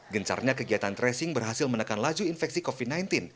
gencarnya kegiatan tracing berhasil menekan laju infeksi covid sembilan belas